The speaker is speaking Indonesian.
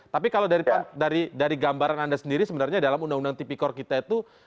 tapi kalau dari gambaran anda sendiri sebenarnya dalam undang undang tipikor kita itu